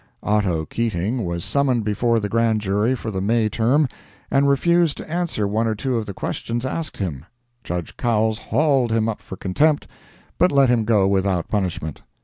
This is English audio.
Otto Keating was summoned before the Grand Jury for the May term, and refused to answer one or two of the questions asked him. Judge Cowles hauled him up for contempt, but let him go without punishment.